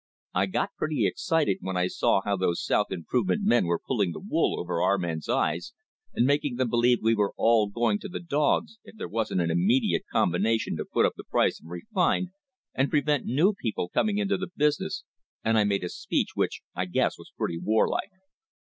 I got pretty excited when I saw how those South Improvement men were pulling the wool over our men's eyes, and making them believe we were all going to the dogs if there wasn't an immediate combination to put up the price of refined and prevent new people coming into THE HISTORY OF THE STANDARD OIL COMPANY the business, and I made a speech which, I guess, was pretty warlike.